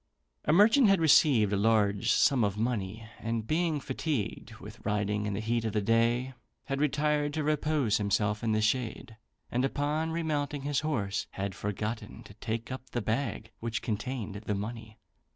[A] A merchant had received a large sum of money; and being fatigued with riding in the heat of the day, had retired to repose himself in the shade; and upon remounting his horse, had forgotten to take up the bag which contained the money.